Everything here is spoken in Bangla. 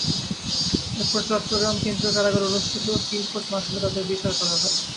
এরপর চট্টগ্রাম কেন্দ্রীয় কারাগারে অনুষ্ঠিত ফিল্ড কোর্ট মার্শালে তাঁদের বিচার করা হয়।